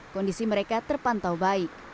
kondisi mereka terpantau baik